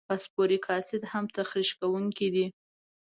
فاسفوریک اسید هم تخریش کوونکي دي.